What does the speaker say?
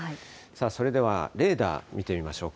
さあそれでは、レーダー見てみましょう。